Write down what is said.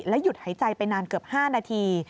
หยุดหายใจไปนานเกือบ๕นาที